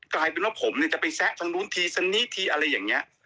กลายเป็นว่าผมจะไปแซะทางนู้นทีสันนี้ทีอะไรอย่างเงี้ย